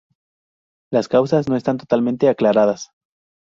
Las causas no están totalmente aclaradas.